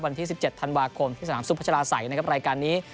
วันที่๑๗ธันบาคมที่สถานทรุปพจราศัยในรายการนี้